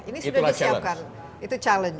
ini sudah disiapkan itu challenge